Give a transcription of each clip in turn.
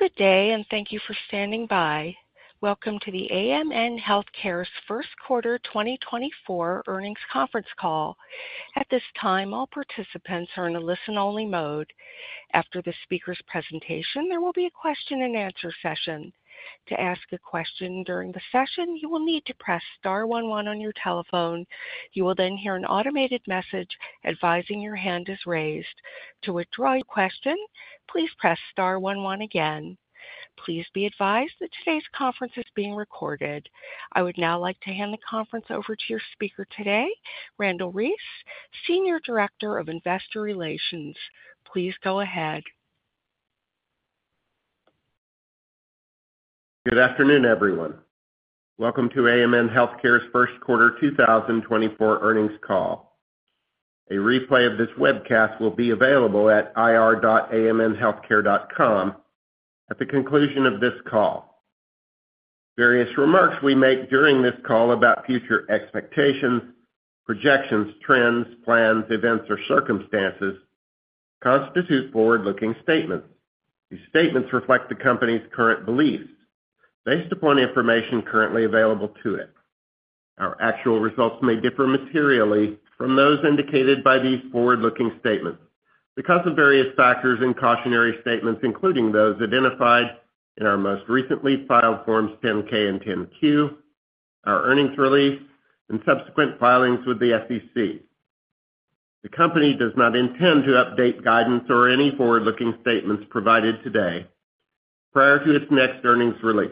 Good day, and thank you for standing by. Welcome to the AMN Healthcare's first quarter 2024 earnings conference call. At this time, all participants are in a listen-only mode. After the speaker's presentation, there will be a question-and-answer session. To ask a question during the session, you will need to press star one one on your telephone. You will then hear an automated message advising your hand is raised. To withdraw your question, please press star one one again. Please be advised that today's conference is being recorded. I would now like to hand the conference over to your speaker today, Randle Reece, Senior Director of Investor Relations. Please go ahead. Good afternoon, everyone. Welcome to AMN Healthcare's first quarter 2024 earnings call. A replay of this webcast will be available at ir.amnhealthcare.com at the conclusion of this call. Various remarks we make during this call about future expectations, projections, trends, plans, events, or circumstances constitute forward-looking statements. These statements reflect the company's current beliefs based upon the information currently available to it. Our actual results may differ materially from those indicated by these forward-looking statements because of various factors and cautionary statements, including those identified in our most recently filed Forms 10-K and 10-Q, our earnings release, and subsequent filings with the SEC. The company does not intend to update guidance or any forward-looking statements provided today prior to its next earnings release.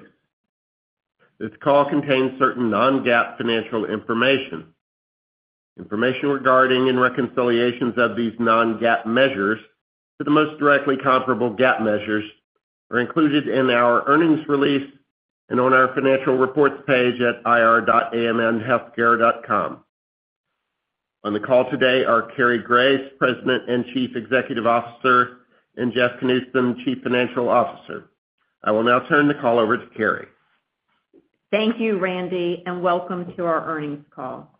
This call contains certain non-GAAP financial information. Information regarding and reconciliations of these non-GAAP measures to the most directly comparable GAAP measures are included in our earnings release and on our financial reports page at ir.amnhealthcare.com. On the call today are Cary Grace, President and Chief Executive Officer, and Jeff Knudson, Chief Financial Officer. I will now turn the call over to Cary. Thank you, Randy, and welcome to our earnings call.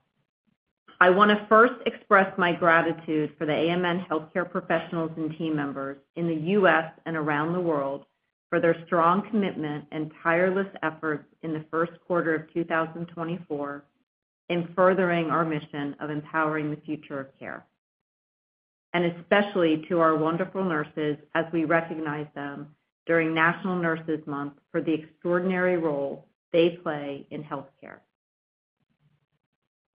I want to first express my gratitude for the AMN Healthcare professionals and team members in the U.S. and around the world for their strong commitment and tireless efforts in the first quarter of 2024 in furthering our mission of empowering the future of care, and especially to our wonderful nurses as we recognize them during National Nurses Month for the extraordinary role they play in healthcare.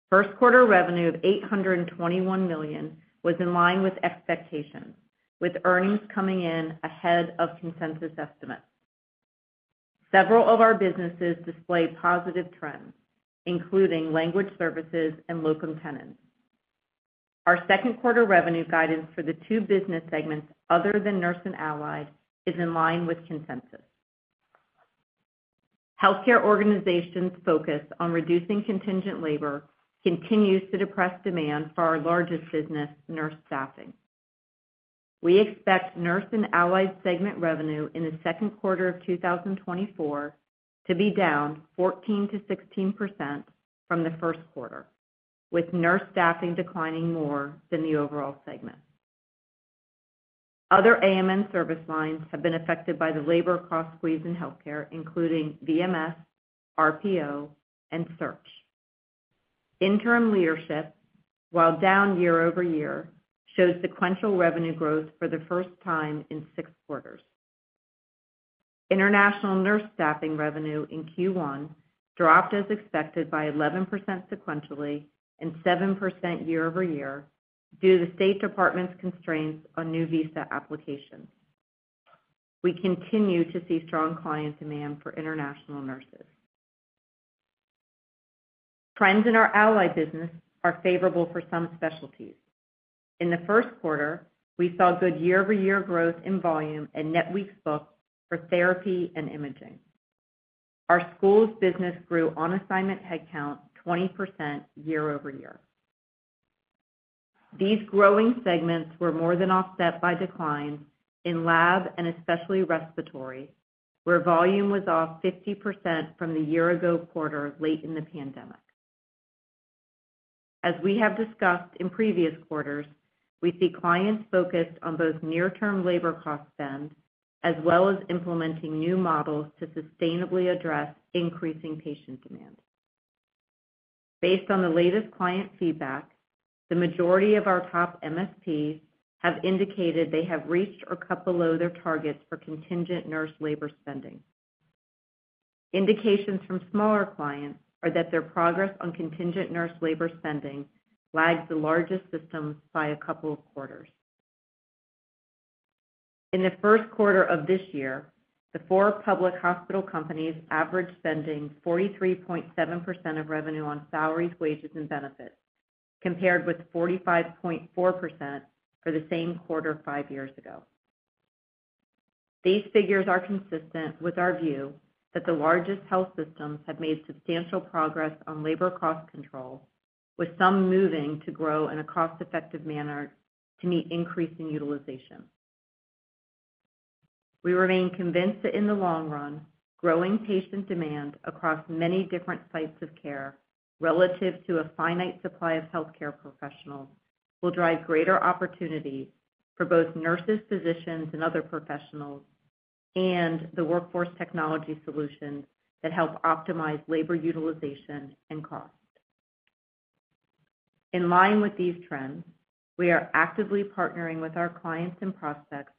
First quarter revenue of $821 million was in line with expectations, with earnings coming in ahead of consensus estimates. Several of our businesses displayed positive trends, including language services and locum tenens. Our second quarter revenue guidance for the two business segments other than Nurse and Allied is in line with consensus. Healthcare organizations focused on reducing contingent labor continues to depress demand for our largest business, nurse staffing. We expect Nurse and Allied segment revenue in the second quarter of 2024 to be down 14%-16% from the first quarter, with nurse staffing declining more than the overall segment. Other AMN service lines have been affected by the labor cost squeeze in healthcare, including VMS, RPO, and search. Interim leadership, while down year-over-year, showed sequential revenue growth for the first time in six quarters. International nurse staffing revenue in Q1 dropped as expected by 11% sequentially and 7% year-over-year due to the State Department's constraints on new visa applications. We continue to see strong client demand for international nurses. Trends in our Allied Business are favorable for some specialties. In the first quarter, we saw good year-over-year growth in volume and net weeks booked for therapy and imaging. Our schools business grew on assignment headcount 20% year-over-year. These growing segments were more than offset by declines in lab and especially respiratory, where volume was off 50% from the year-ago quarter late in the pandemic. As we have discussed in previous quarters, we see clients focused on both near-term labor cost spend, as well as implementing new models to sustainably address increasing patient demand. Based on the latest client feedback, the majority of our top MSPs have indicated they have reached or cut below their targets for contingent nurse labor spending. Indications from smaller clients are that their progress on contingent nurse labor spending lags the largest systems by a couple of quarters. In the first quarter of this year, the four public hospital companies averaged spending 43.7% of revenue on salaries, wages, and benefits, compared with 45.4% for the same quarter five years ago. These figures are consistent with our view that the largest health systems have made substantial progress on labor cost control, with some moving to grow in a cost-effective manner to meet increasing utilization. We remain convinced that in the long run, growing patient demand across many different sites of care, relative to a finite supply of healthcare professionals will drive greater opportunities for both nurses, physicians, and other professionals, and the workforce technology solutions that help optimize labor utilization and cost. In line with these trends, we are actively partnering with our clients and prospects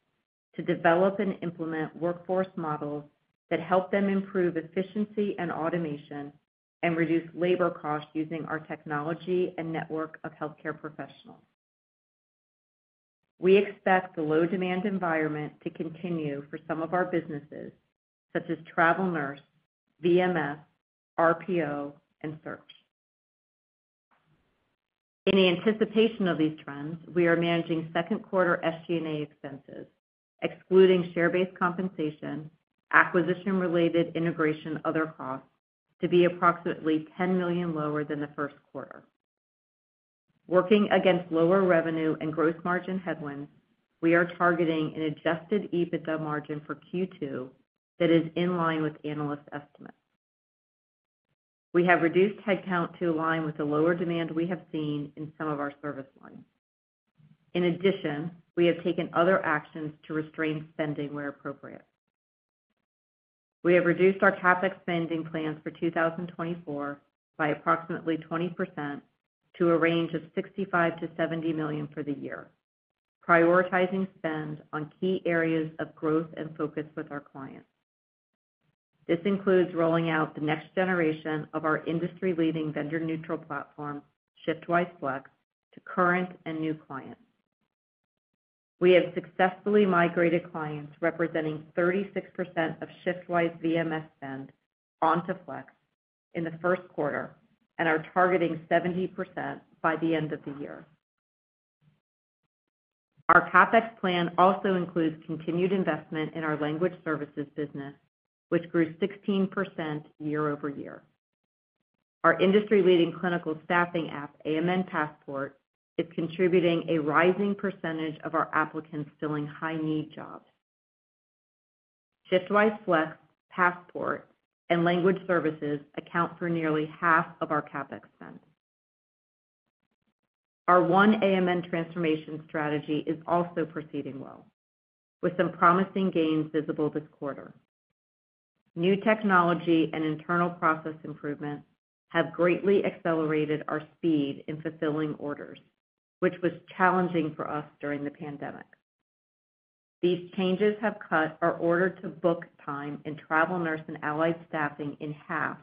to develop and implement workforce models that help them improve efficiency and automation, and reduce labor costs using our technology and network of healthcare professionals. We expect the low demand environment to continue for some of our businesses, such as Travel Nurse, VMS, RPO, and Search. In the anticipation of these trends, we are managing second quarter SG&A expenses, excluding share-based compensation, acquisition-related integration, other costs, to be approximately $10 million lower than the first quarter. Working against lower revenue and gross margin headwinds, we are targeting an Adjusted EBITDA margin for Q2 that is in line with analyst estimates. We have reduced headcount to align with the lower demand we have seen in some of our service lines. In addition, we have taken other actions to restrain spending where appropriate. We have reduced our CapEx spending plans for 2024 by approximately 20%, to a range of $65 million-$70 million for the year, prioritizing spend on key areas of growth and focus with our clients. This includes rolling out the next generation of our industry-leading vendor-neutral platform, ShiftWise Flex, to current and new clients. We have successfully migrated clients representing 36% of ShiftWise VMS spend onto Flex in the first quarter, and are targeting 70% by the end of the year. Our CapEx plan also includes continued investment in our language services business, which grew 16% year-over-year. Our industry-leading clinical staffing app, AMN Passport, is contributing a rising percentage of our applicants filling high-need jobs. ShiftWise Flex, Passport, and Language Services account for nearly half of our CapEx spend. Our One AMN transformation strategy is also proceeding well, with some promising gains visible this quarter. New technology and internal process improvements have greatly accelerated our speed in fulfilling orders, which was challenging for us during the pandemic. These changes have cut our order-to-book time in Travel Nurse and Allied Staffing in half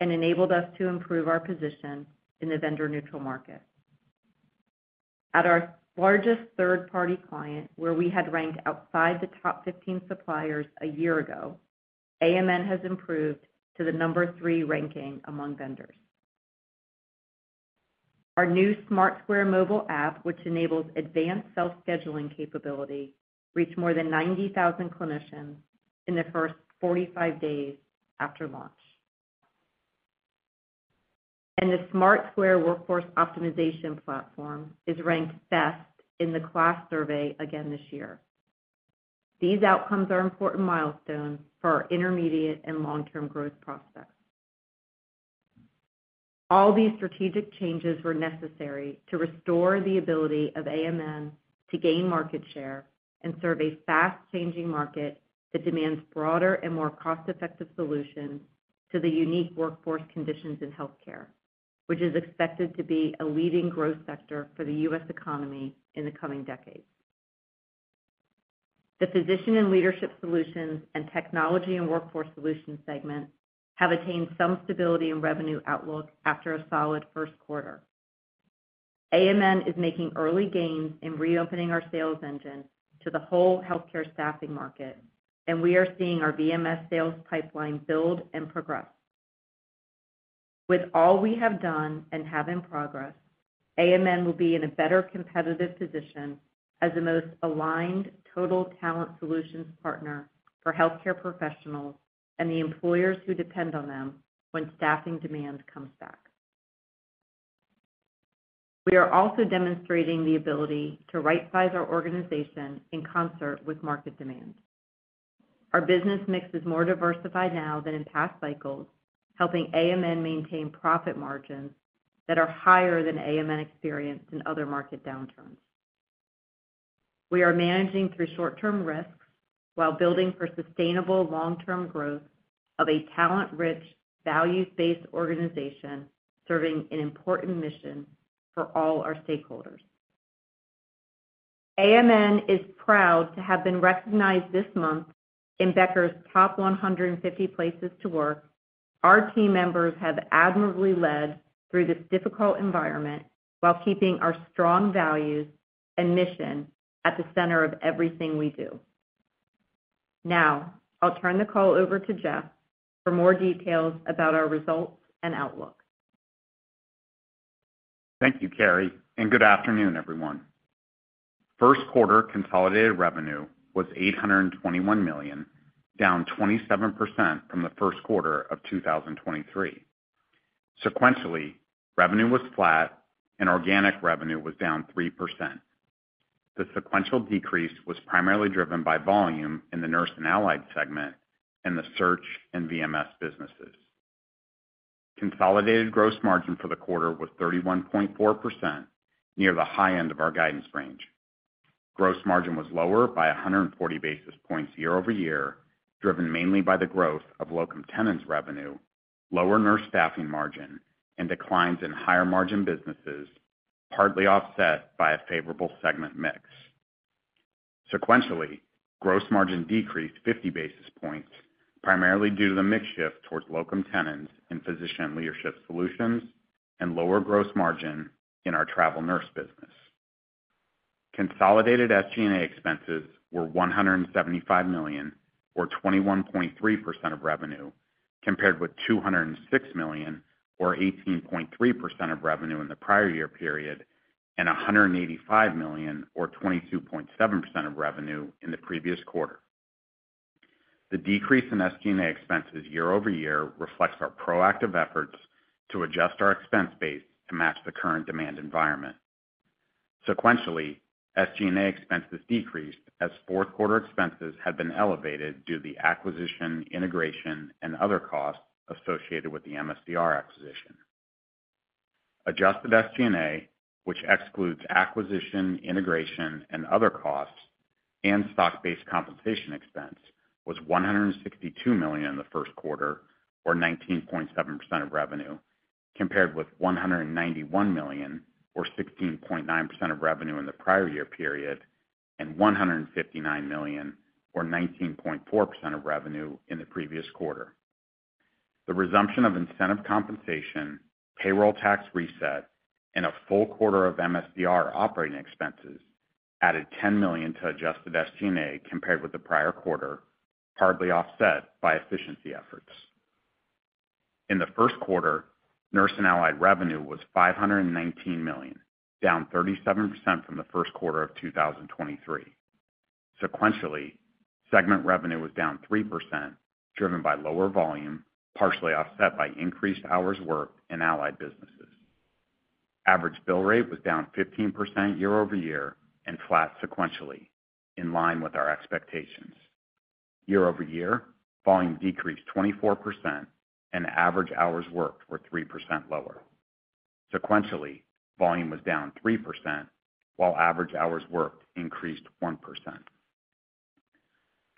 and enabled us to improve our position in the vendor-neutral market. At our largest third-party client, where we had ranked outside the top 15 suppliers a year ago, AMN has improved to the number three ranking among vendors. Our new SmartSquare mobile app, which enables advanced self-scheduling capability, reached more than 90,000 clinicians in the first 45 days after launch. The SmartSquare Workforce Optimization platform is ranked best in the class survey again this year. These outcomes are important milestones for our intermediate and long-term growth prospects. All these strategic changes were necessary to restore the ability of AMN to gain market share and serve a fast-changing market that demands broader and more cost-effective solutions to the unique workforce conditions in healthcare, which is expected to be a leading growth sector for the U.S. economy in the coming decades. The Physician and Leadership Solutions and Technology and Workforce Solutions segments have attained some stability in revenue outlook after a solid first quarter. AMN is making early gains in reopening our sales engine to the whole healthcare staffing market, and we are seeing our VMS sales pipeline build and progress. With all we have done and have in progress, AMN will be in a better competitive position as the most aligned total talent solutions partner for healthcare professionals and the employers who depend on them when staffing demand comes back. We are also demonstrating the ability to rightsize our organization in concert with market demand. Our business mix is more diversified now than in past cycles, helping AMN maintain profit margins that are higher than AMN experienced in other market downturns. We are managing through short-term risks while building for sustainable long-term growth of a talent-rich, values-based organization, serving an important mission for all our stakeholders. AMN is proud to have been recognized this month in Becker's Top 150 Places to Work. Our team members have admirably led through this difficult environment while keeping our strong values and mission at the center of everything we do. Now, I'll turn the call over to Jeff for more details about our results and outlook. Thank you, Cary, and good afternoon, everyone. First quarter consolidated revenue was $821 million, down 27% from the first quarter of 2023. Sequentially, revenue was flat and organic revenue was down 3%. The sequential decrease was primarily driven by volume in the Nurse and Allied segment and the Search and VMS businesses.... Consolidated gross margin for the quarter was 31.4%, near the high end of our guidance range. Gross margin was lower by 140 basis points year-over-year, driven mainly by the growth of locum tenens revenue, lower nurse staffing margin, and declines in higher margin businesses, partly offset by a favorable segment mix. Sequentially, gross margin decreased 50 basis points, primarily due to the mix shift towards locum tenens and physician leadership solutions, and lower gross margin in our Travel Nurse business. Consolidated SG&A expenses were $175 million, or 21.3% of revenue, compared with $206 million, or 18.3% of revenue in the prior year period, and $185 million, or 22.7% of revenue, in the previous quarter. The decrease in SG&A expenses year over year reflects our proactive efforts to adjust our expense base to match the current demand environment. Sequentially, SG&A expenses decreased as fourth quarter expenses had been elevated due to the acquisition, integration, and other costs associated with the MSDR acquisition. Adjusted SG&A, which excludes acquisition, integration, and other costs, and stock-based compensation expense, was $162 million in the first quarter, or 19.7% of revenue, compared with $191 million, or 16.9% of revenue in the prior year period, and $159 million, or 19.4% of revenue, in the previous quarter. The resumption of incentive compensation, payroll tax reset, and a full quarter of MSDR operating expenses added $10 million to adjusted SG&A compared with the prior quarter, partly offset by efficiency efforts. In the first quarter, Nurse and Allied revenue was $519 million, down 37% from the first quarter of 2023. Sequentially, segment revenue was down 3%, driven by lower volume, partially offset by increased hours worked in Allied Businesses. Average bill rate was down 15% year-over-year and flat sequentially, in line with our expectations. Year-over-year, volume decreased 24%, and average hours worked were 3% lower. Sequentially, volume was down 3%, while average hours worked increased 1%.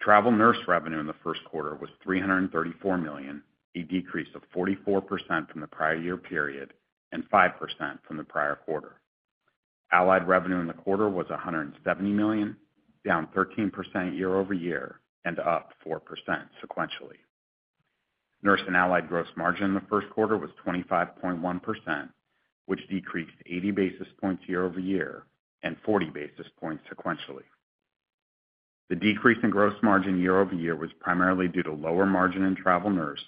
Travel nurse revenue in the first quarter was $334 million, a decrease of 44% from the prior year period and 5% from the prior quarter. Allied revenue in the quarter was $170 million, down 13% year-over-year and up 4% sequentially. Nurse and Allied gross margin in the first quarter was 25.1%, which decreased 80 basis points year-over-year and 40 basis points sequentially. The decrease in gross margin year-over-year was primarily due to lower margin in Travel Nurse,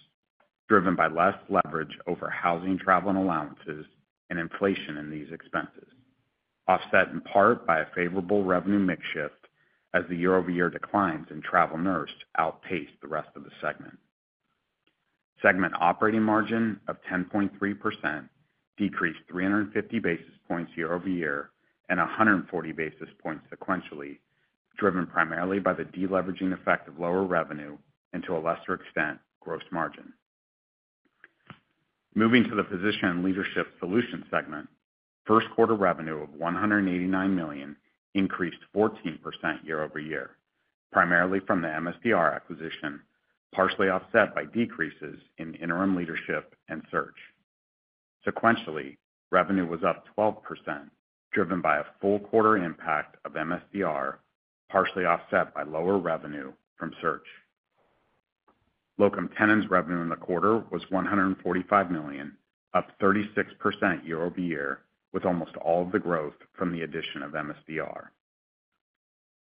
driven by less leverage over housing, travel, and allowances and inflation in these expenses, offset in part by a favorable revenue mix shift as the year-over-year declines in Travel Nurse outpaced the rest of the segment. Segment operating margin of 10.3% decreased 350 basis points year-over-year and 140 basis points sequentially, driven primarily by the deleveraging effect of lower revenue and, to a lesser extent, gross margin. Moving to the Physician Leadership Solution segment, first quarter revenue of $189 million increased 14% year-over-year, primarily from the MSDR acquisition, partially offset by decreases in interim leadership and search. Sequentially, revenue was up 12%, driven by a full quarter impact of MSDR, partially offset by lower revenue from search. Locum tenens revenue in the quarter was $145 million, up 36% year-over-year, with almost all of the growth from the addition of MSDR.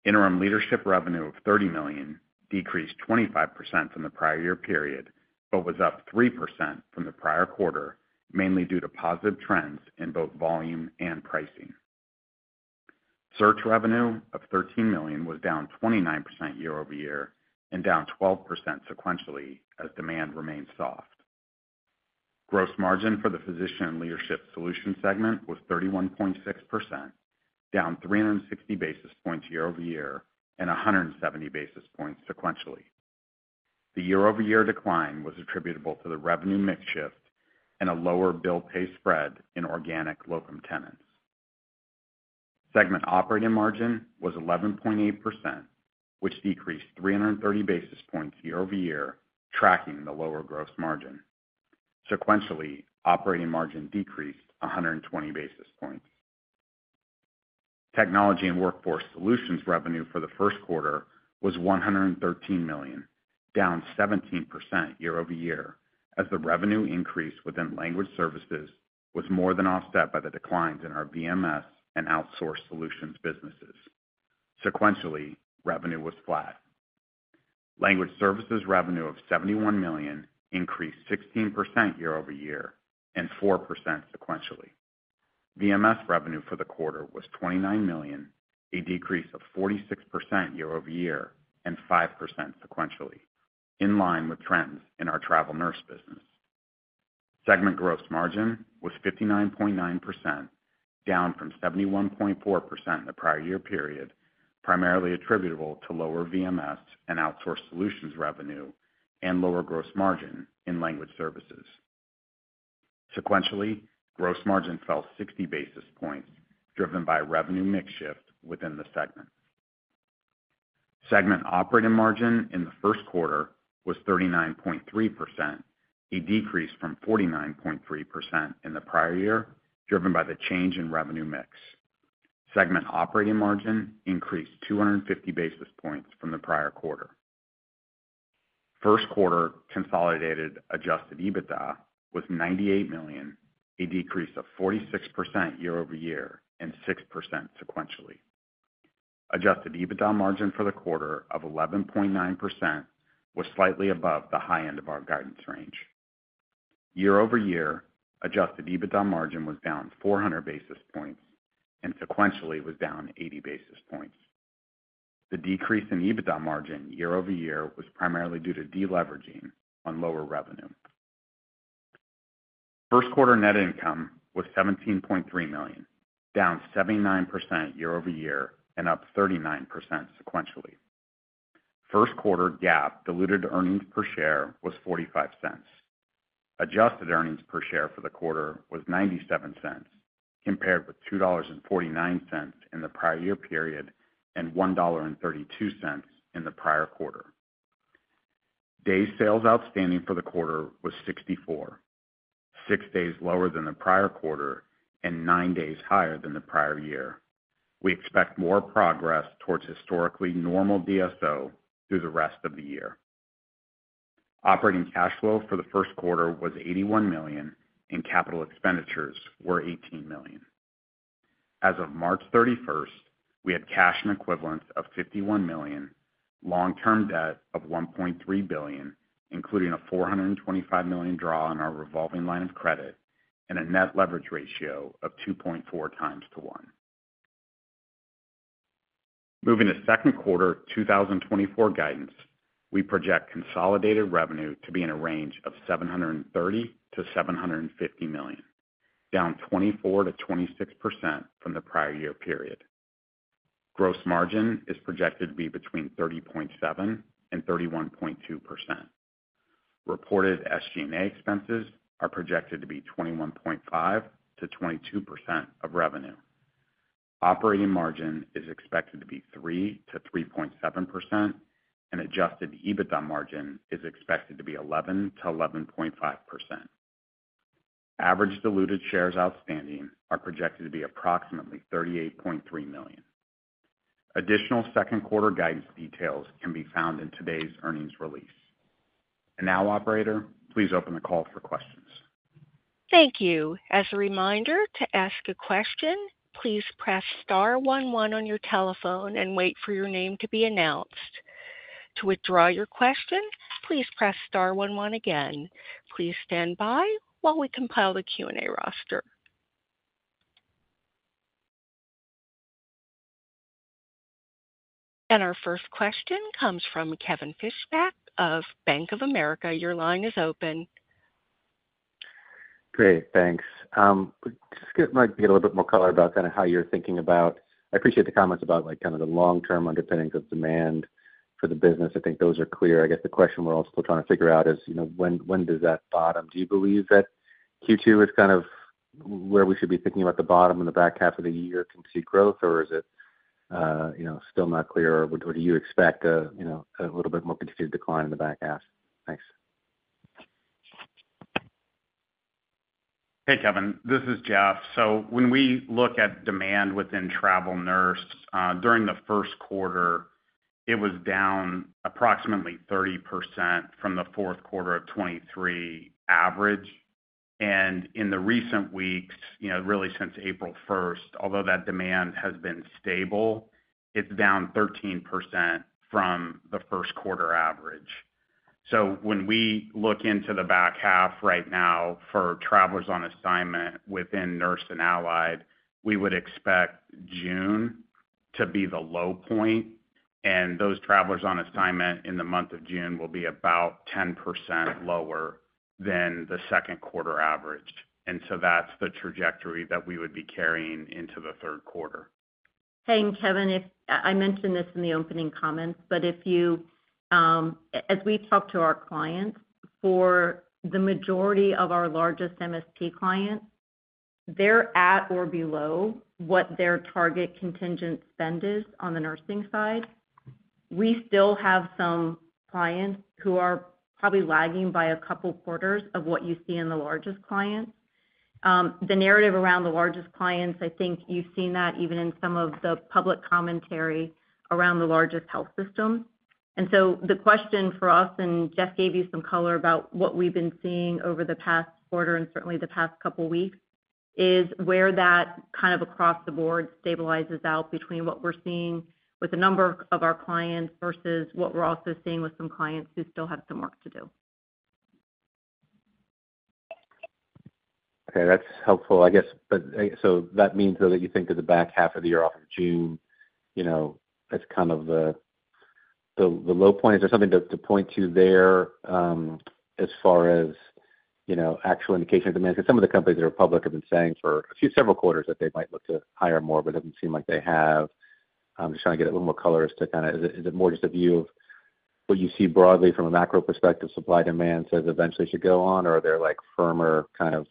Interim leadership revenue of $30 million decreased 25% from the prior year period, but was up 3% from the prior quarter, mainly due to positive trends in both volume and pricing. Search revenue of $13 million was down 29% year-over-year and down 12% sequentially as demand remained soft. Gross margin for the Physician Leadership Solution segment was 31.6%, down 360 basis points year-over-year and 170 basis points sequentially. The year-over-year decline was attributable to the revenue mix shift and a lower bill pay spread in organic locum tenens. Segment operating margin was 11.8%, which decreased 330 basis points year-over-year, tracking the lower gross margin. Sequentially, operating margin decreased 120 basis points. Technology and Workforce Solutions revenue for the first quarter was $113 million, down 17% year-over-year, as the revenue increase within language services was more than offset by the declines in our VMS and outsource solutions businesses. Sequentially, revenue was flat. Language services revenue of $71 million increased 16% year-over-year and 4% sequentially. VMS revenue for the quarter was $29 million, a decrease of 46% year-over-year and 5% sequentially, in line with trends in our Travel Nurse business. Segment gross margin was 59.9%, down from 71.4% in the prior year period, primarily attributable to lower VMS and outsourced solutions revenue and lower gross margin in language services. Sequentially, gross margin fell 60 basis points, driven by revenue mix shift within the segment. Segment operating margin in the first quarter was 39.3%, a decrease from 49.3% in the prior year, driven by the change in revenue mix. Segment operating margin increased 250 basis points from the prior quarter. First quarter consolidated adjusted EBITDA was $98 million, a decrease of 46% year over year and 6% sequentially. Adjusted EBITDA margin for the quarter of 11.9% was slightly above the high end of our guidance range. nineYear-over-year, adjusted EBITDA margin was down 400 basis points and sequentially was down 80 basis points. The decrease in EBITDA margin year-over-year was primarily due to deleveraging on lower revenue. First quarter net income was $17.3 million, down 79% year-over-year and up 39% sequentially. First quarter GAAP diluted earnings per share was $0.45. Adjusted earnings per share for the quarter was $0.97, compared with $2.49 in the prior year period and $1.32 in the prior quarter. Days sales outstanding for the quarter was 64, six days lower than the prior quarter and nine days higher than the prior year. We expect more progress towards historically normal DSO through the rest of the year. Operating cash flow for the first quarter was $81 million, and capital expenditures were $18 million. As of March 31st, we had cash and equivalents of $51 million, long-term debt of $1.3 billion, including a $425 million draw on our revolving line of credit, and a net leverage ratio of 2.4 times to one. Moving to second quarter 2024 guidance, we project consolidated revenue to be in a range of $730 million-$750 million, down 24%-26% from the prior year period. Gross margin is projected to be between 30.7% and 31.2%. Reported SG&A expenses are projected to be 21.5%-22% of revenue. Operating margin is expected to be 3%-3.7%, and adjusted EBITDA margin is expected to be 11%-11.5%. Average diluted shares outstanding are projected to be approximately 38.3 million. Additional second quarter guidance details can be found in today's earnings release. And now, operator, please open the call for questions. Thank you. As a reminder, to ask a question, please press star one one on your telephone and wait for your name to be announced. To withdraw your question, please press star one one again. Please stand by while we compile the Q&A roster. Our first question comes from Kevin Fischbeck of Bank of America. Your line is open. Great, thanks. Might get a little bit more color about kind of how you're thinking about... I appreciate the comments about, like, kind of the long-term underpinnings of demand for the business. I think those are clear. I guess the question we're all still trying to figure out is, you know, when, when does that bottom? Do you believe that Q2 is kind of where we should be thinking about the bottom in the back half of the year, can see growth, or is it, you know, still not clear? Or do you expect a, you know, a little bit more continued decline in the back half? Thanks. Hey, Kevin, this is Jeff. So when we look at demand within Travel Nurse during the first quarter, it was down approximately 30% from the fourth quarter of 2023 average. And in the recent weeks, you know, really since April first, although that demand has been stable, it's down 13% from the first quarter average. So when we look into the back half right now for travelers on assignment within Nurse and Allied, we would expect June to be the low point, and those travelers on assignment in the month of June will be about 10% lower than the second quarter average. And so that's the trajectory that we would be carrying into the third quarter. Hey, and Kevin, if I mentioned this in the opening comments, but if you, as we talk to our clients, for the majority of our largest MSP clients, they're at or below what their target contingent spend is on the nursing side. We still have some clients who are probably lagging by a couple of quarters of what you see in the largest clients. The narrative around the largest clients, I think you've seen that even in some of the public commentary around the largest health systems. The question for us, and Jeff gave you some color about what we've been seeing over the past quarter and certainly the past couple weeks, is where that kind of across the board stabilizes out between what we're seeing with a number of our clients versus what we're also seeing with some clients who still have some work to do. Okay, that's helpful, I guess. But, so that means, though, that you think of the back half of the year, off of June, you know, as kind of the low point. Is there something to point to there, as far as, you know, actual indication of demand? 'Cause some of the companies that are public have been saying for a few several quarters that they might look to hire more, but it doesn't seem like they have. I'm just trying to get a little more color as to kinda, is it more just a view of what you see broadly from a macro perspective, supply-demand says eventually should go on? Or are there, like, firmer kind of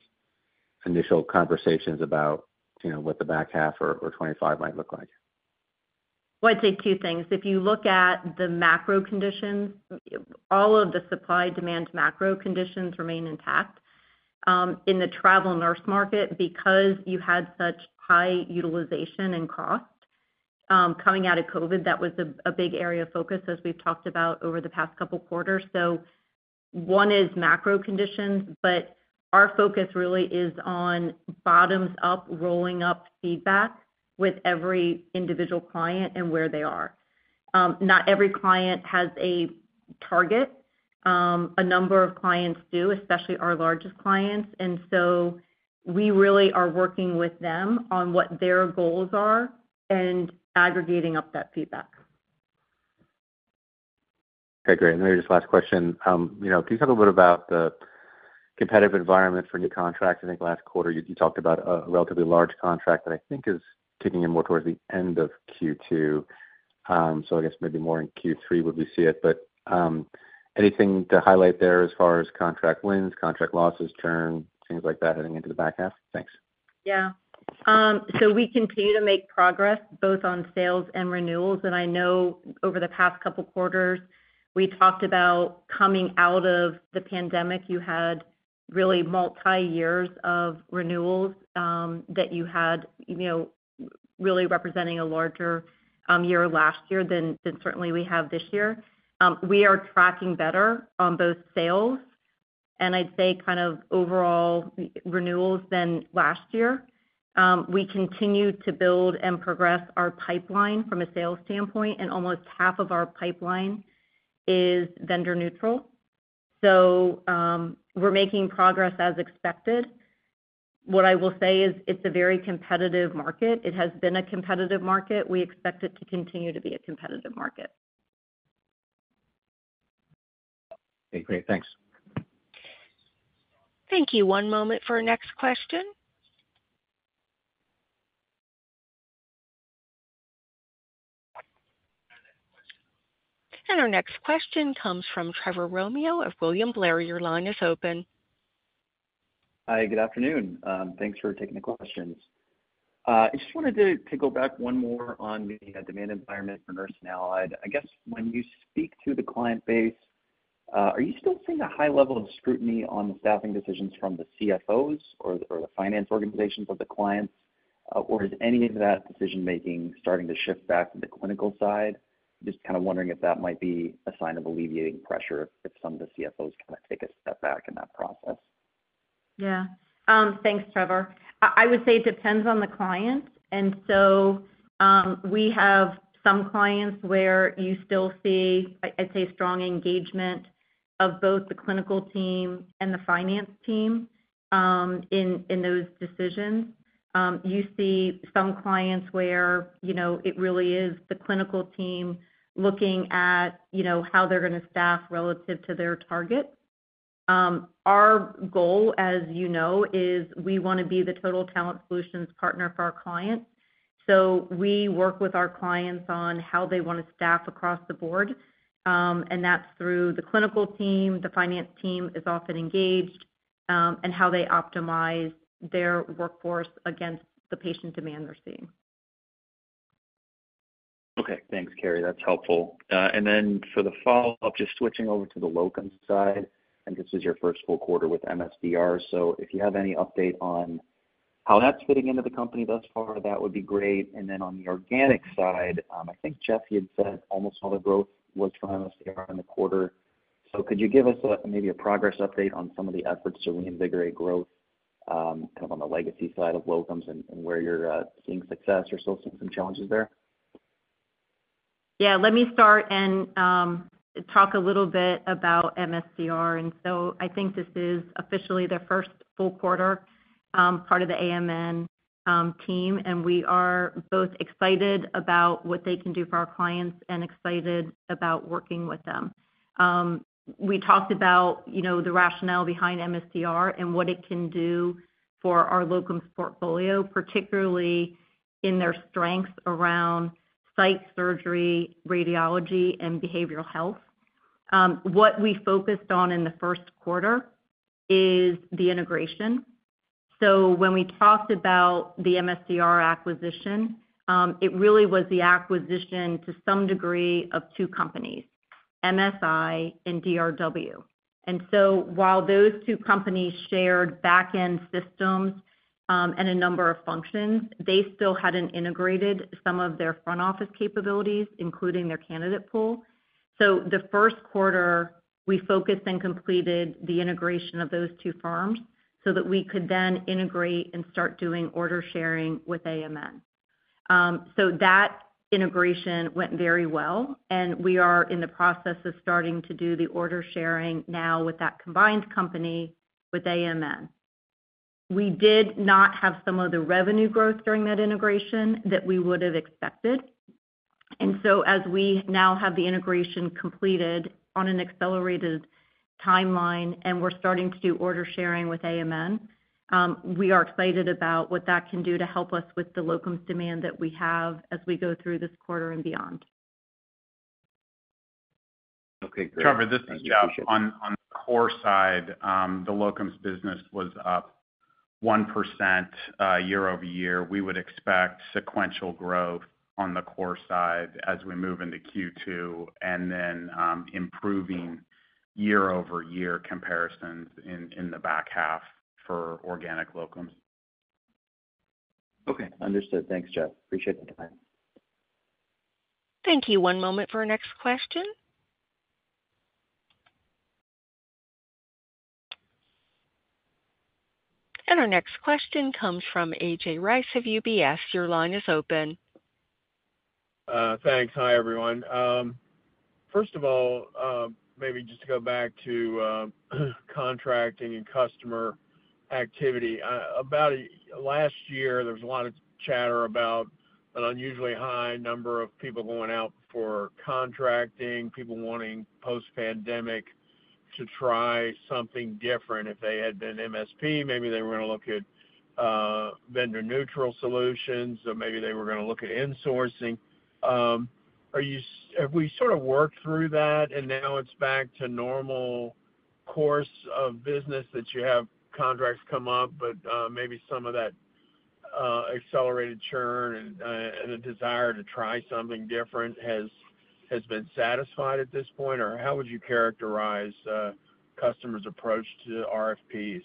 initial conversations about, you know, what the back half or, or 2025 might look like? Well, I'd say two things. If you look at the macro conditions, all of the supply-demand macro conditions remain intact. In the Travel Nurse market, because you had such high utilization and cost, coming out of COVID, that was a big area of focus, as we've talked about over the past couple quarters. So one is macro conditions, but our focus really is on bottoms-up, rolling-up feedback with every individual client and where they are. Not every client has a target. A number of clients do, especially our largest clients, and so we really are working with them on what their goals are and aggregating up that feedback. Okay, great. And maybe just last question, you know, can you talk a bit about the competitive environment for new contracts? I think last quarter, you talked about a relatively large contract that I think is kicking in more towards the end of Q2. So I guess maybe more in Q3, would we see it, but, anything to highlight there as far as contract wins, contract losses, turn, things like that, heading into the back half? Thanks. Yeah. So we continue to make progress both on sales and renewals. I know over the past couple quarters, we talked about coming out of the pandemic, you had really multiyears of renewals, that you had, you know, really representing a larger year last year than, than certainly we have this year. We are tracking better on both sales, and I'd say, kind of overall, renewals than last year. We continue to build and progress our pipeline from a sales standpoint, and almost half of our pipeline is vendor neutral. So, we're making progress as expected. What I will say is it's a very competitive market. It has been a competitive market. We expect it to continue to be a competitive market. Okay, great. Thanks. Thank you. One moment for our next question. Our next question comes from Trevor Romeo of William Blair. Your line is open. Hi, good afternoon. Thanks for taking the questions. I just wanted to go back one more on the demand environment for Nurse and Allied. I guess when you speak to the client base, are you still seeing a high level of scrutiny on the staffing decisions from the CFOs or the finance organizations of the clients? Or is any of that decision-making starting to shift back to the clinical side? Just kind of wondering if that might be a sign of alleviating pressure, if some of the CFOs kind of take a step back in that process. Yeah. Thanks, Trevor. I, I would say it depends on the client, and so, we have some clients where you still see, I'd say, strong engagement of both the clinical team and the finance team, in those decisions. You see some clients where, you know, it really is the clinical team looking at, you know, how they're gonna staff relative to their target. Our goal, as you know, is we wanna be the total talent solutions partner for our clients. So we work with our clients on how they wanna staff across the board, and that's through the clinical team, the finance team is often engaged, and how they optimize their workforce against the patient demand they're seeing. Okay. Thanks, Cary. That's helpful. And then for the follow-up, just switching over to the Locum side, and this is your first full quarter with MSDR. So if you have any update on how that's fitting into the company thus far, that would be great. And then on the organic side, I think Jeff had said almost all the growth was from MSDR in the quarter. So could you give us, maybe a progress update on some of the efforts to reinvigorate growth, kind of on the legacy side of Locums and where you're seeing success or still seeing some challenges there? Yeah, let me start and talk a little bit about MSDR. And so I think this is officially their first full quarter, part of the AMN team, and we are both excited about what they can do for our clients and excited about working with them. We talked about, you know, the rationale behind MSDR and what it can do for our Locums portfolio, particularly in their strengths around site surgery, radiology, and behavioral health. What we focused on in the first quarter is the integration. So when we talked about the MSDR acquisition, it really was the acquisition, to some degree, of two companies, MSI and DRW. And so while those two companies shared back-end systems and a number of functions, they still hadn't integrated some of their front-office capabilities, including their candidate pool. The first quarter, we focused and completed the integration of those two firms so that we could then integrate and start doing order sharing with AMN. So that integration went very well, and we are in the process of starting to do the order sharing now with that combined company, with AMN. We did not have some of the revenue growth during that integration that we would have expected. So as we now have the integration completed on an accelerated timeline, and we're starting to do order sharing with AMN, we are excited about what that can do to help us with the locums demand that we have as we go through this quarter and beyond. Okay, great. Trevor, this is Jeff. On the core side, the locums business was up 1%, year-over-year. We would expect sequential growth on the core side as we move into Q2, and then improving year-over-year comparisons in the back half for organic locums. Okay, understood. Thanks, Jeff. Appreciate the time. Thank you. One moment for our next question. Our next question comes from A.J. Rice of UBS. Your line is open. Thanks. Hi, everyone. First of all, maybe just to go back to contracting and customer activity. About last year, there was a lot of chatter about an unusually high number of people going out for contracting, people wanting post-pandemic to try something different. If they had been MSP, maybe they were gonna look at vendor-neutral solutions, or maybe they were gonna look at insourcing. Have we sort of worked through that, and now it's back to normal course of business, that you have contracts come up, but maybe some of that accelerated churn and a desire to try something different has been satisfied at this point, or how would you characterize customers' approach to RFPs?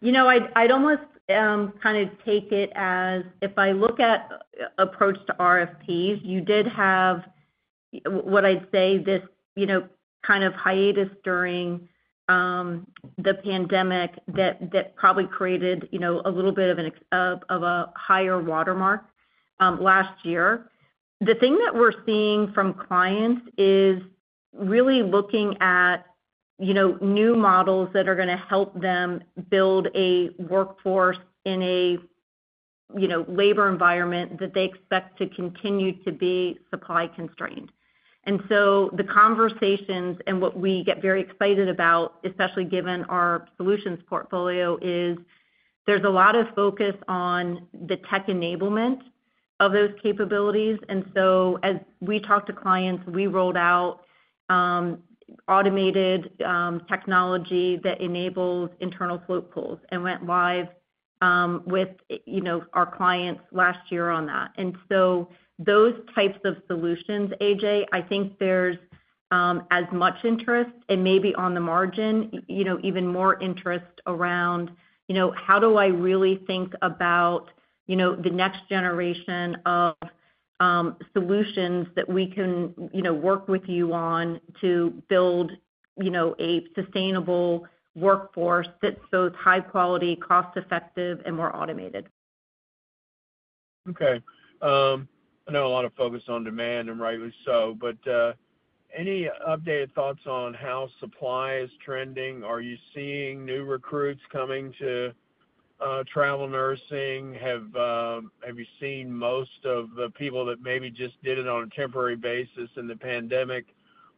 You know, I'd almost kind of take it as if I look at approach to RFPs, you did have what I'd say this, you know, kind of hiatus during the pandemic that probably created, you know, a little bit of an example of a higher watermark last year. The thing that we're seeing from clients is really looking at, you know, new models that are gonna help them build a workforce in a, you know, labor environment that they expect to continue to be supply constrained. And so the conversations and what we get very excited about, especially given our solutions portfolio, is there's a lot of focus on the tech enablement of those capabilities. And so as we talk to clients, we rolled out automated technology that enables internal float pools and went live with, you know, our clients last year on that. And so those types of solutions, A.J., I think there's as much interest and maybe on the margin, you know, even more interest around, you know, how do I really think about, you know, the next generation of solutions that we can, you know, work with you on to build, you know, a sustainable workforce that's both high quality, cost-effective, and more automated? Okay, I know a lot of focus on demand, and rightly so, but any updated thoughts on how supply is trending? Are you seeing new recruits coming to travel nursing? Have you seen most of the people that maybe just did it on a temporary basis in the pandemic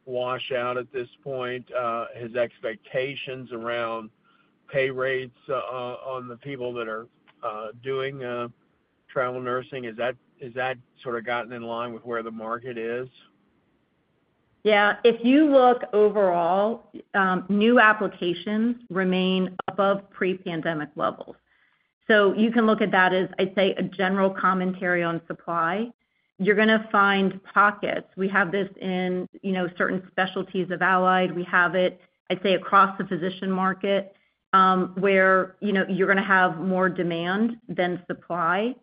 wash out at this point? Has expectations around pay rates on the people that are doing travel nursing, is that sort of gotten in line with where the market is? Yeah. If you look overall, new applications remain above pre-pandemic levels. So you can look at that as, I'd say, a general commentary on supply. You're gonna find pockets. We have this in, you know, certain specialties of Allied. We have it, I'd say, across the physician market, where, you know, you're gonna have more demand than supply.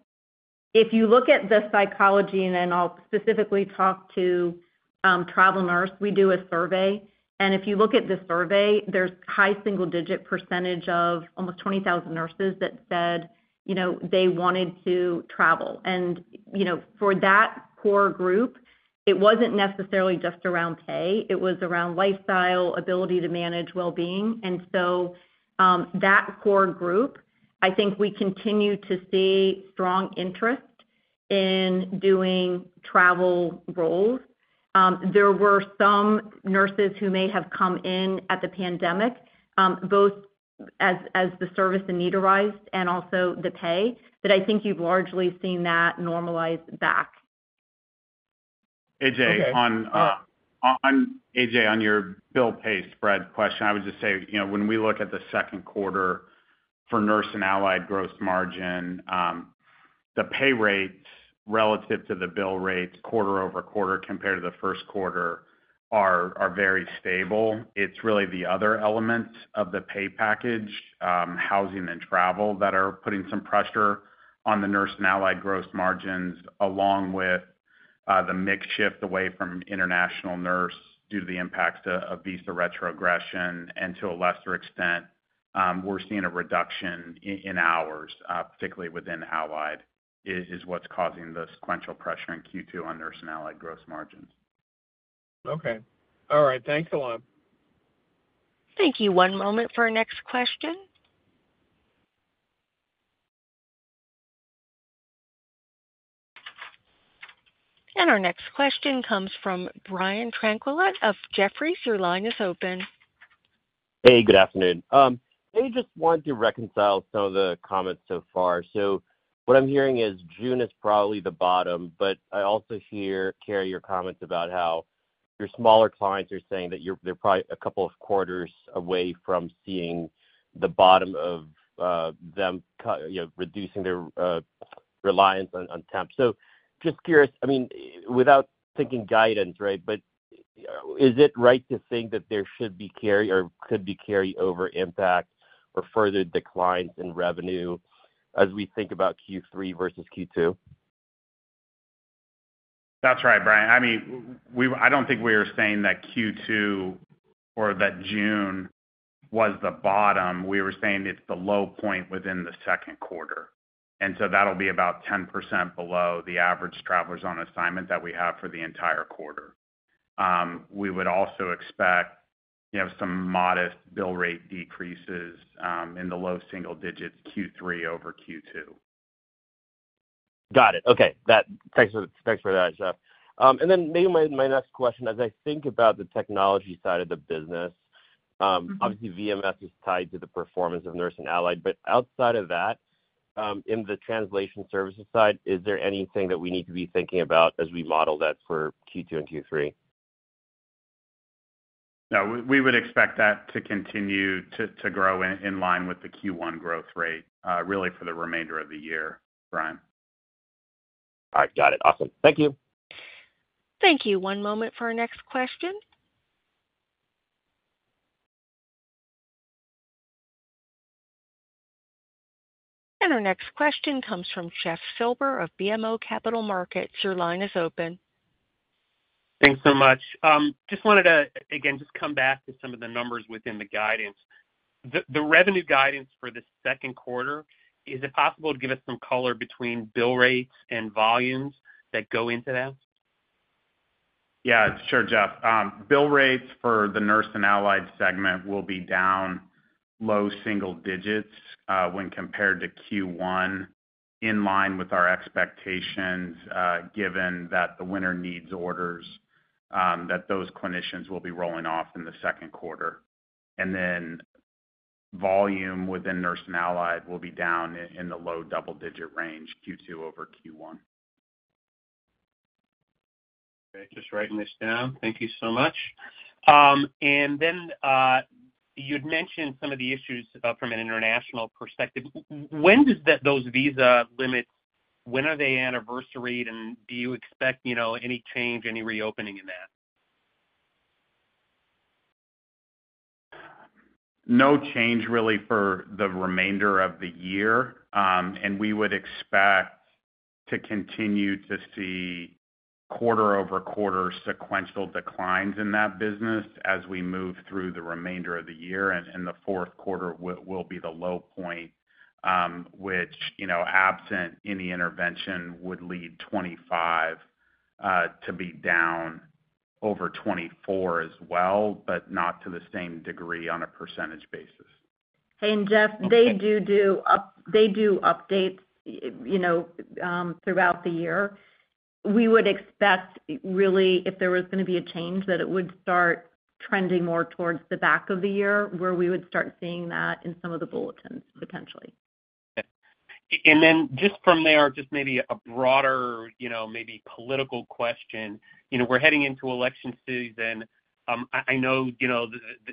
If you look at the psychology, and then I'll specifically talk to Travel Nurse, we do a survey, and if you look at the survey, there's high single-digit percentage of almost 20,000 nurses that said, you know, they wanted to travel. And, you know, for that core group, it wasn't necessarily just around pay, it was around lifestyle, ability to manage well-being. And so, that core group, I think we continue to see strong interest in doing travel roles. There were some nurses who may have come in at the pandemic, both as the service and need arose and also the pay, but I think you've largely seen that normalize back. A.J., on your bill pay spread question, I would just say, you know, when we look at the second quarter for Nurse and Allied gross margin, the pay rates relative to the bill rates, quarter-over-quarter, compared to the first quarter, are very stable. It's really the other elements of the pay package, housing and travel, that are putting some pressure on the Nurse and Allied gross margins, along with the mix shift away from international nurse due to the impacts of visa retrogression, and to a lesser extent, we're seeing a reduction in hours, particularly within Allied, that's what's causing the sequential pressure in Q2 on Nurse and Allied gross margins.... Okay. All right, thanks a lot. Thank you. One moment for our next question. Our next question comes from Brian Tanquilut of Jefferies. Your line is open. Hey, good afternoon. I just wanted to reconcile some of the comments so far. So what I'm hearing is June is probably the bottom, but I also hear, Cary, your comments about how your smaller clients are saying that they're probably a couple of quarters away from seeing the bottom of them cut, you know, reducing their reliance on temp. So just curious, I mean, without thinking guidance, right? But is it right to think that there should be carry or could be carryover impact or further declines in revenue as we think about Q3 versus Q2? That's right, Brian. I mean, we don't think we were saying that Q2 or that June was the bottom. We were saying it's the low point within the second quarter, and so that'll be about 10% below the average travelers on assignment that we have for the entire quarter. We would also expect, you know, some modest bill rate decreases in the low single digits Q3 over Q2. Got it. Okay, that. Thanks for, thanks for that, Jeff. And then maybe my next question, as I think about the technology side of the business, obviously- Mm-hmm. VMS is tied to the performance of Nurse and Allied, but outside of that, in the translation services side, is there anything that we need to be thinking about as we model that for Q2 and Q3? No, we would expect that to continue to grow in line with the Q1 growth rate, really for the remainder of the year, Brian. All right, got it. Awesome. Thank you. Thank you. One moment for our next question. Our next question comes from Jeff Silber of BMO Capital Markets. Your line is open. Thanks so much. Just wanted to, again, just come back to some of the numbers within the guidance. The revenue guidance for the second quarter, is it possible to give us some color between bill rates and volumes that go into that? Yeah, sure, Jeff. Bill rates for the Nurse and Allied segment will be down low single digits, when compared to Q1, in line with our expectations, given that the winter needs orders, that those clinicians will be rolling off in the second quarter. And then volume within Nurse and Allied will be down in the low double-digit range, Q2 over Q1. Okay, just writing this down. Thank you so much. And then, you'd mentioned some of the issues from an international perspective. When does that, those visa limits, when are they anniversaried, and do you expect, you know, any change, any reopening in that? No change really for the remainder of the year. We would expect to continue to see quarter-over-quarter sequential declines in that business as we move through the remainder of the year, and the fourth quarter will be the low point, which, you know, absent any intervention, would lead 2025 to be down over 2024 as well, but not to the same degree on a percentage basis. Hey, and Jeff, they do updates, you know, throughout the year. We would expect, really, if there was gonna be a change, that it would start trending more towards the back of the year, where we would start seeing that in some of the bulletins, potentially. Okay. And then just from there, just maybe a broader, you know, maybe political question. You know, we're heading into election season. I know, you know,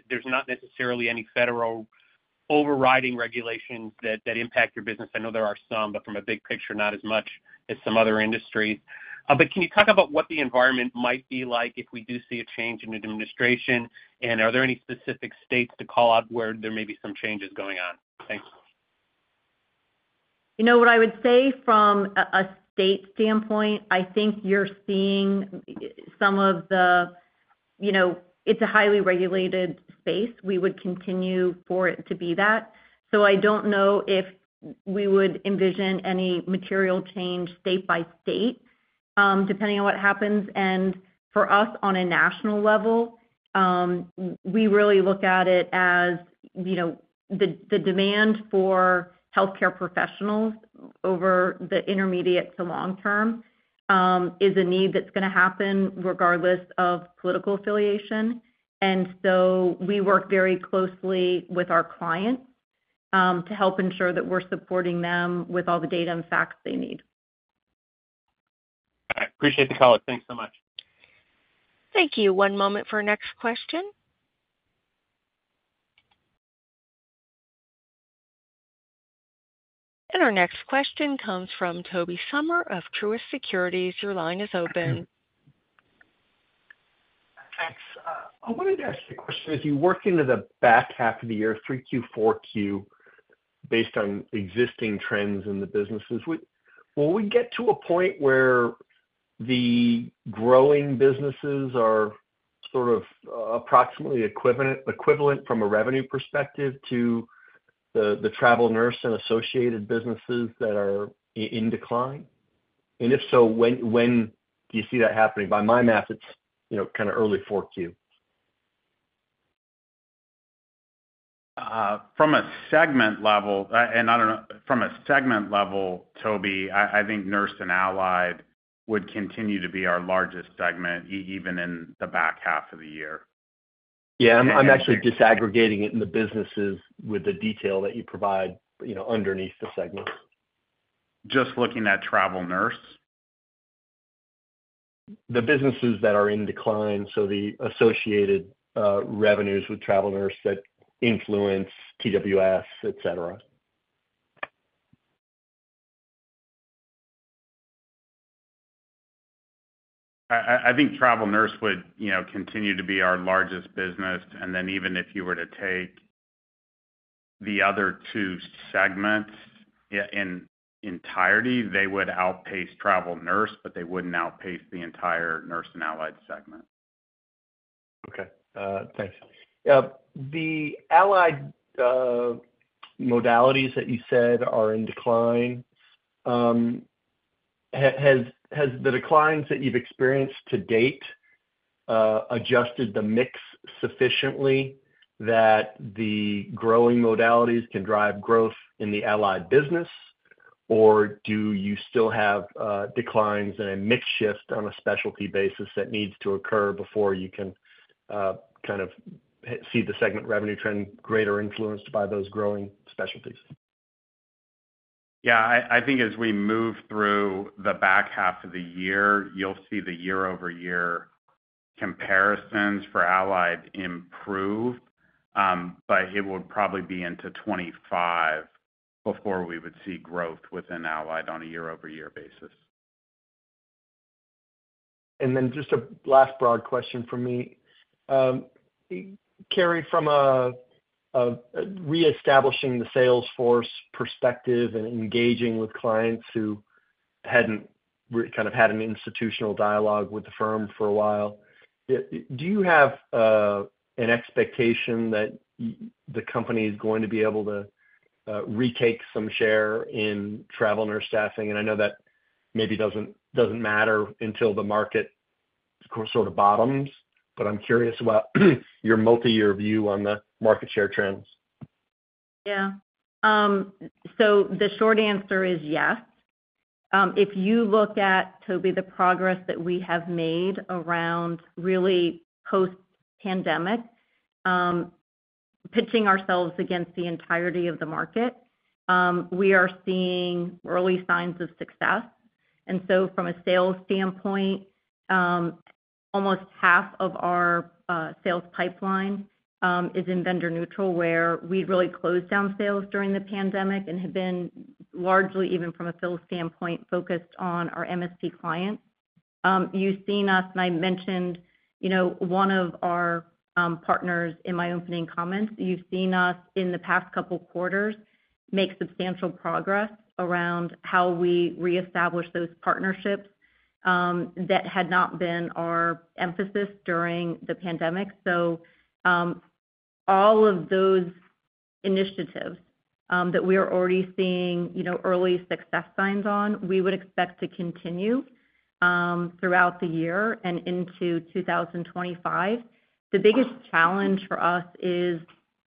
there's not necessarily any federal overriding regulations that impact your business. I know there are some, but from a big picture, not as much as some other industries. But can you talk about what the environment might be like if we do see a change in administration? And are there any specific states to call out where there may be some changes going on? Thanks. You know, what I would say from a state standpoint, I think you're seeing some of the... You know, it's a highly regulated space. We would continue for it to be that. So I don't know if we would envision any material change state by state, depending on what happens. And for us, on a national level, we really look at it as, you know, the demand for healthcare professionals over the intermediate to long term is a need that's gonna happen regardless of political affiliation. And so we work very closely with our clients to help ensure that we're supporting them with all the data and facts they need. All right. Appreciate the call. Thanks so much. Thank you. One moment for our next question. Our next question comes from Toby Sommer of Truist Securities. Your line is open. Thanks. I wanted to ask a question. As you work into the back half of the year, 3Q, 4Q, based on existing trends in the businesses, will we get to a point where the growing businesses are sort of, approximately equivalent, equivalent from a revenue perspective to the Travel Nurse and associated businesses that are in decline? And if so, when, when do you see that happening? By my math, it's, you know, kind of early 4Q. From a segment level, and I don't know, from a segment level, Toby, I think Nurse and Allied would continue to be our largest segment, even in the back half of the year. Yeah, I'm actually disaggregating it in the businesses with the detail that you provide, you know, underneath the segments. Just looking at Travel Nurse? The businesses that are in decline, so the associated revenues with Travel Nurse that influence TWS, et cetera. I think Travel Nurse would, you know, continue to be our largest business, and then even if you were to take the other two segments in entirety, they would outpace Travel Nurse, but they wouldn't outpace the entire Nurse and Allied segment. Okay, thanks. The Allied modalities that you said are in decline, has the declines that you've experienced to date adjusted the mix sufficiently that the growing modalities can drive growth in the Allied Business? Or do you still have declines and a mix shift on a specialty basis that needs to occur before you can kind of see the segment revenue trend greater influenced by those growing specialties? Yeah, I think as we move through the back half of the year, you'll see the year-over-year comparisons for Allied improve, but it would probably be into 2025 before we would see growth within Allied on a year-over-year basis. And then just a last broad question from me. Cary, from a reestablishing the sales force perspective and engaging with clients who hadn't kind of had an institutional dialogue with the firm for a while, do you have an expectation that the company is going to be able to retake some share in Travel Nurse staffing? And I know that maybe doesn't matter until the market sort of bottoms, but I'm curious about your multi-year view on the market share trends. Yeah. So the short answer is yes. If you look at, Toby, the progress that we have made around really post-pandemic, pitching ourselves against the entirety of the market, we are seeing early signs of success. And so from a sales standpoint, almost half of our sales pipeline is in vendor neutral, where we really closed down sales during the pandemic and have been largely, even from a sales standpoint, focused on our MSP clients. You've seen us, and I mentioned, you know, one of our partners in my opening comments. You've seen us in the past couple quarters, make substantial progress around how we reestablish those partnerships, that had not been our emphasis during the pandemic. So, all of those initiatives that we are already seeing, you know, early success signs on, we would expect to continue throughout the year and into 2025. The biggest challenge for us is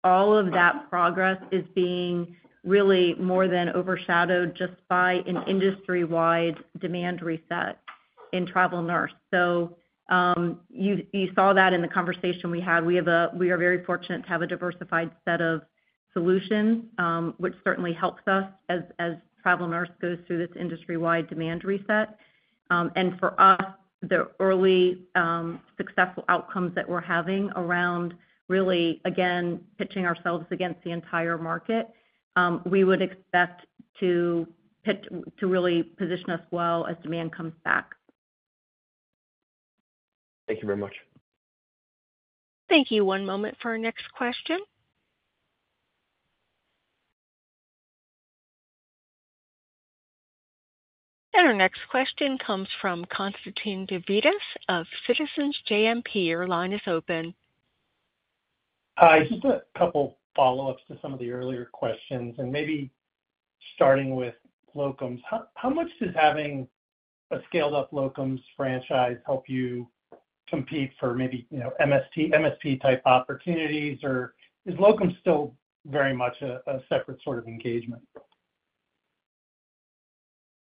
all of that progress is being really more than overshadowed just by an industry-wide demand reset in Travel Nurse. So, you saw that in the conversation we had. We are very fortunate to have a diversified set of solutions, which certainly helps us as Travel Nurse goes through this industry-wide demand reset. And for us, the early successful outcomes that we're having around really, again, pitching ourselves against the entire market, we would expect to really position us well as demand comes back. Thank you very much. Thank you. One moment for our next question. Our next question comes from Constantine Davides of Citizens JMP. Your line is open. Hi, just a couple follow-ups to some of the earlier questions, and maybe starting with locums. How much does having a scaled-up locums franchise help you compete for maybe, you know, MST-MSP-type opportunities, or is locum still very much a separate sort of engagement?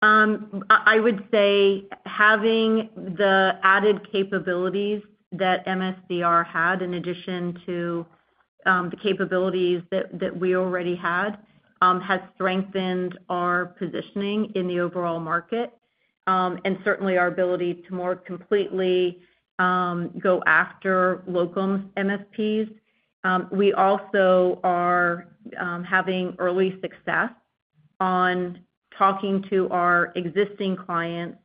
I would say having the added capabilities that MSDR had, in addition to the capabilities that we already had, has strengthened our positioning in the overall market, and certainly our ability to more completely go after locum MSPs. We also are having early success on talking to our existing clients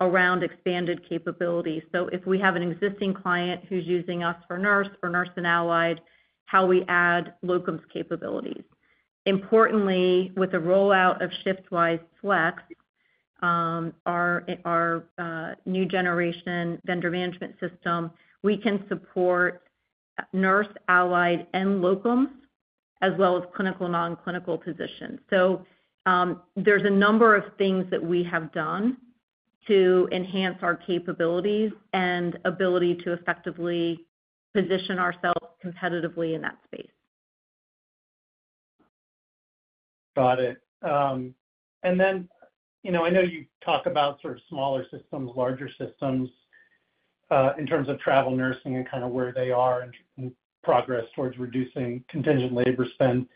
around expanded capabilities. So if we have an existing client who's using us for nurse or Nurse and Allied, how we add locums capabilities. Importantly, with the rollout of ShiftWise Flex, our new generation vendor management system, we can support nurse, allied, and locum, as well as clinical and non-clinical positions. So, there's a number of things that we have done to enhance our capabilities and ability to effectively position ourselves competitively in that space. Got it. And then, you know, I know you talk about sort of smaller systems, larger systems, in terms of travel nursing and kind of where they are in progress towards reducing contingent labor spend.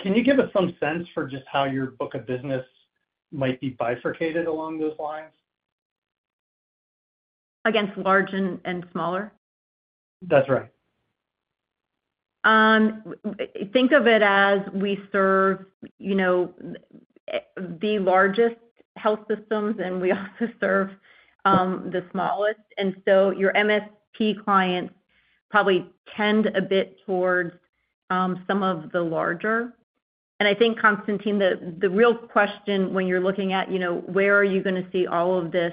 Can you give us some sense for just how your book of business might be bifurcated along those lines? Against large and smaller? That's right. Think of it as we serve, you know, the largest health systems, and we also serve the smallest. And so your MSP clients probably tend a bit towards some of the larger. And I think, Constantine, the real question when you're looking at, you know, where are you gonna see all of this,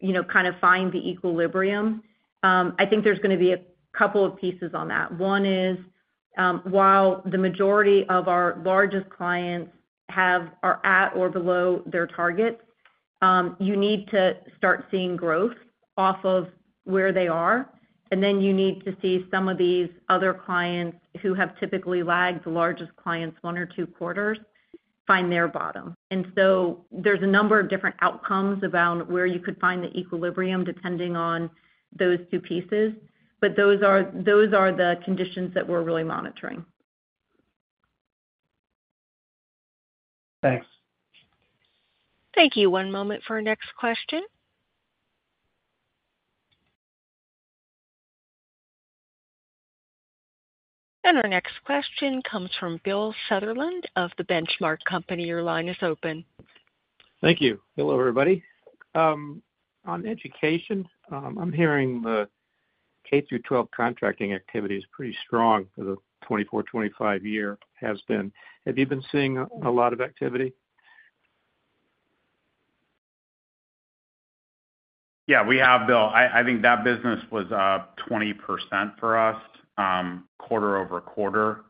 you know, kind of find the equilibrium. I think there's gonna be a couple of pieces on that. One is, while the majority of our largest clients are at or below their target, you need to start seeing growth off of where they are, and then you need to see some of these other clients who have typically lagged the largest clients one or two quarters, find their bottom. And so there's a number of different outcomes around where you could find the equilibrium, depending on those two pieces, but those are, those are the conditions that we're really monitoring. Thanks. Thank you. One moment for our next question. Our next question comes from Bill Sutherland of The Benchmark Company. Your line is open. Thank you. Hello, everybody. On education, I'm hearing the K through 12 contracting activity is pretty strong for the 2024-2025 year, has been. Have you been seeing a lot of activity? Yeah, we have, Bill. I think that business was up 20% for us, quarter-over-quarter.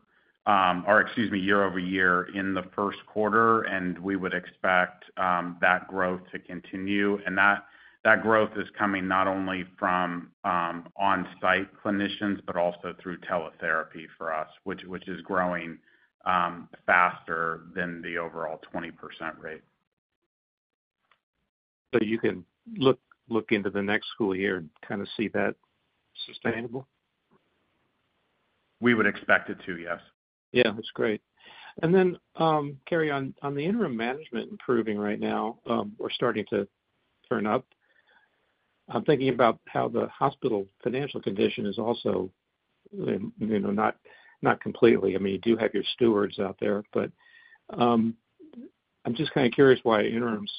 Or excuse me, year-over-year in the first quarter, and we would expect that growth to continue. And that growth is coming not only from on-site clinicians, but also through teletherapy for us, which is growing faster than the overall 20% rate. So you can look into the next school year and kind of see that sustainable? We would expect it to, yes. Yeah, that's great. And then, Cary, on the interim management improving right now, or starting to turn up, I'm thinking about how the hospital financial condition is also, you know, not completely. I mean, you do have your Stewards out there, but, I'm just kind of curious why interim's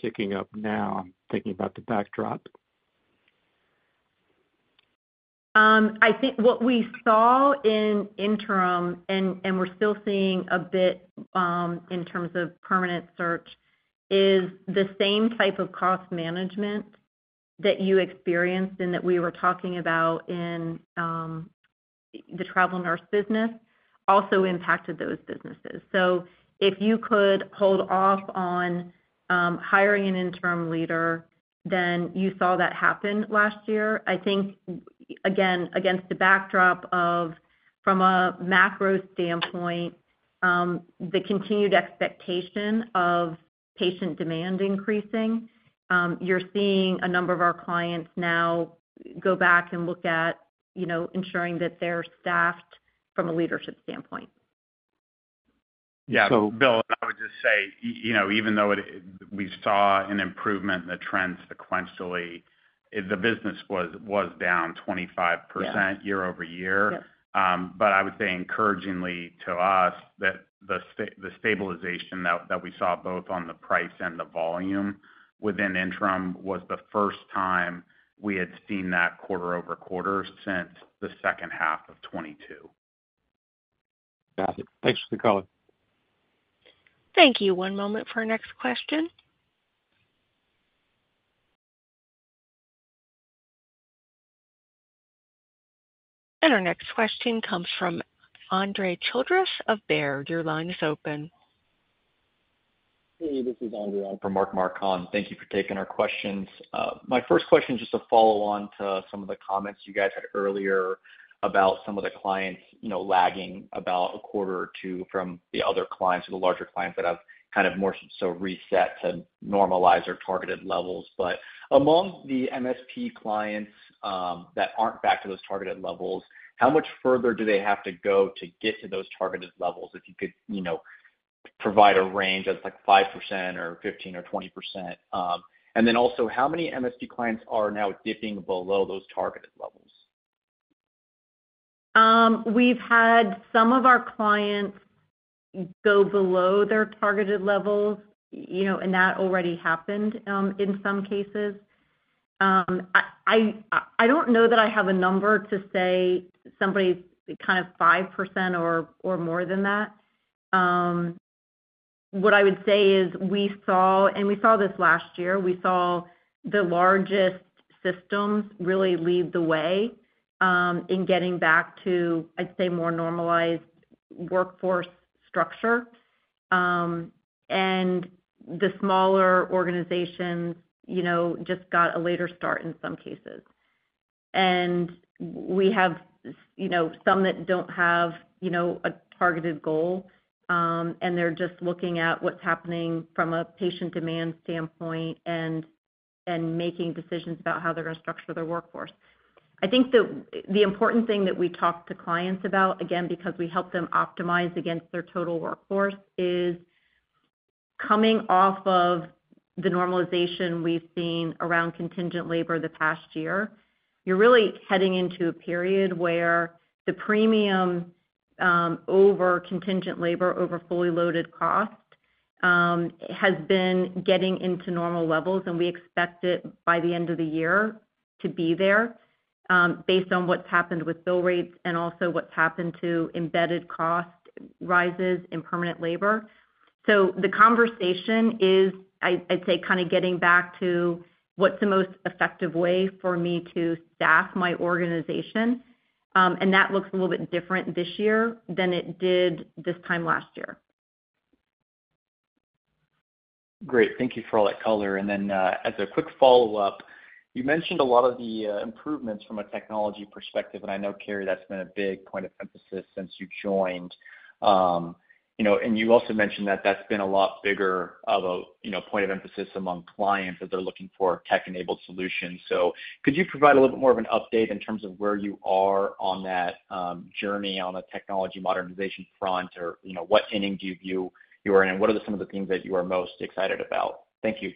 kicking up now. I'm thinking about the backdrop. I think what we saw in interim, and we're still seeing a bit, in terms of permanent search, is the same type of cost management that you experienced and that we were talking about in, the Travel Nurse business, also impacted those businesses. So if you could hold off on, hiring an interim leader, then you saw that happen last year. I think, again, against the backdrop of, from a macro standpoint, the continued expectation of patient demand increasing, you're seeing a number of our clients now go back and look at, you know, ensuring that they're staffed from a leadership standpoint. Yeah. Bill, I would just say, you know, even though it, we saw an improvement in the trend sequentially, the business was down 25%- Yeah. year-over-year. Yeah. But I would say encouragingly to us, that the stabilization that we saw, both on the price and the volume within interim, was the first time we had seen that quarter-over-quarter since the second half of 2022. Got it. Thanks for the color. Thank you. One moment for our next question. Our next question comes from Andre Childress of Baird. Your line is open. Hey, this is Andre on for Mark Marcon. Thank you for taking our questions. My first question, just to follow on to some of the comments you guys had earlier about some of the clients, you know, lagging about a quarter or two from the other clients or the larger clients that have kind of more so reset to normalize their targeted levels. But among the MSP clients that aren't back to those targeted levels, how much further do they have to go to get to those targeted levels? If you could, you know, provide a range that's like 5% or 15 or 20%, and then also, how many MSP clients are now dipping below those targeted levels? We've had some of our clients go below their targeted levels, you know, and that already happened, in some cases. I don't know that I have a number to say somebody kind of 5% or more than that. What I would say is we saw, and we saw this last year, we saw the largest systems really lead the way, in getting back to, I'd say, more normalized workforce structure. And the smaller organizations, you know, just got a later start in some cases. And we have, you know, some that don't have, you know, a targeted goal, and they're just looking at what's happening from a patient demand standpoint and making decisions about how they're going to structure their workforce. I think the important thing that we talk to clients about, again, because we help them optimize against their total workforce, is coming off of the normalization we've seen around contingent labor the past year, you're really heading into a period where the premium over contingent labor, over fully loaded cost, has been getting into normal levels, and we expect it by the end of the year to be there, based on what's happened with bill rates and also what's happened to embedded cost rises in permanent labor. So the conversation is, I'd say, kind of getting back to what's the most effective way for me to staff my organization? And that looks a little bit different this year than it did this time last year. Great. Thank you for all that color. And then, as a quick follow-up, you mentioned a lot of the improvements from a technology perspective, and I know, Cary, that's been a big point of emphasis since you joined. You know, and you also mentioned that that's been a lot bigger of a, you know, point of emphasis among clients as they're looking for tech-enabled solutions. So could you provide a little bit more of an update in terms of where you are on that journey on the technology modernization front? Or, you know, what inning do you view you are in, and what are some of the things that you are most excited about? Thank you.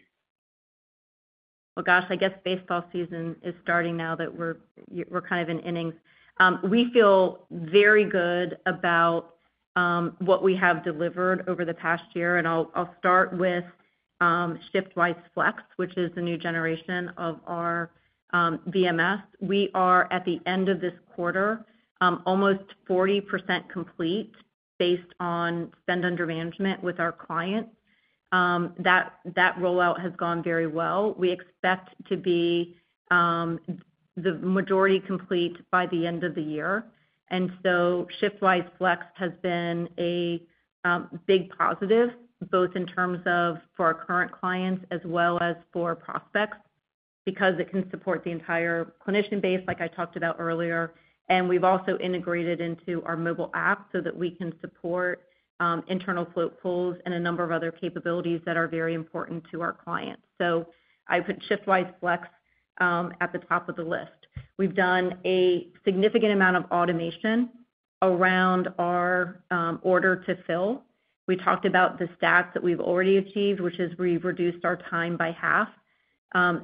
Well, gosh, I guess baseball season is starting now that we're kind of in innings. We feel very good about what we have delivered over the past year, and I'll start with ShiftWise Flex, which is the new generation of our VMS. We are, at the end of this quarter, almost 40% complete based on spend under management with our clients. That rollout has gone very well. We expect to be the majority complete by the end of the year. And so ShiftWise Flex has been a big positive, both in terms of for our current clients as well as for prospects, because it can support the entire clinician base, like I talked about earlier. And we've also integrated into our mobile app so that we can support internal float pools and a number of other capabilities that are very important to our clients. So I put ShiftWise Flex at the top of the list. We've done a significant amount of automation around our order to fill. We talked about the stats that we've already achieved, which is we've reduced our time by half.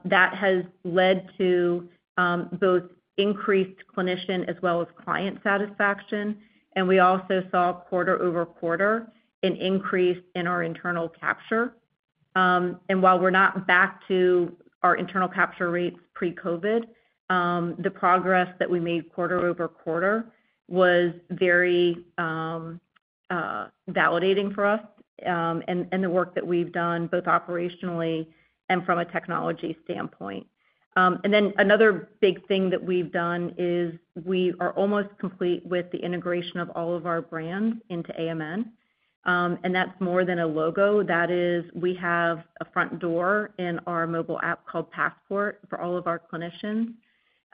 That has led to both increased clinician as well as client satisfaction, and we also saw quarter-over-quarter an increase in our internal capture. And while we're not back to our internal capture rates pre-COVID, the progress that we made quarter-over-quarter was very validating for us, and the work that we've done, both operationally and from a technology standpoint. And then another big thing that we've done is we are almost complete with the integration of all of our brands into AMN. And that's more than a logo. That is, we have a front door in our mobile app called Passport for all of our clinicians,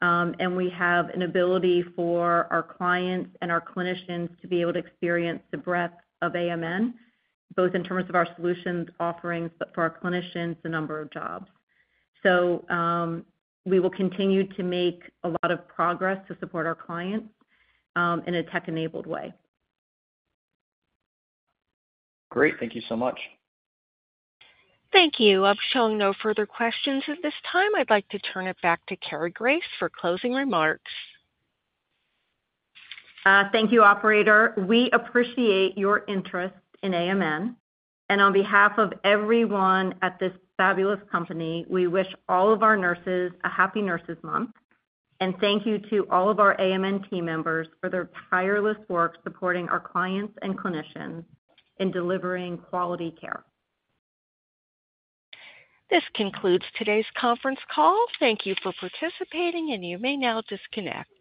and we have an ability for our clients and our clinicians to be able to experience the breadth of AMN, both in terms of our solutions offerings, but for our clinicians, the number of jobs. So, we will continue to make a lot of progress to support our clients, in a tech-enabled way. Great. Thank you so much. Thank you. I'm showing no further questions at this time. I'd like to turn it back to Cary Grace for closing remarks. Thank you, operator. We appreciate your interest in AMN, and on behalf of everyone at this fabulous company, we wish all of our nurses a Happy Nurses Month, and thank you to all of our AMN team members for their tireless work supporting our clients and clinicians in delivering quality care. This concludes today's conference call. Thank you for participating, and you may now disconnect.